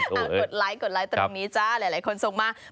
กดไลค์ตรงนี้จ้าหลายคนส่งมา